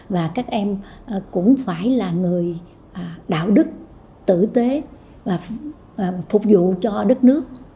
và các em cũng phải là người đạo đức tử tế và phục vụ cho đất nước